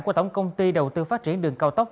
của tổng công ty đầu tư phát triển đường cao tốc